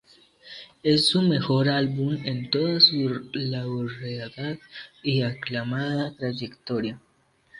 Es su mejor álbum en toda su laureada y aclamada trayectoria.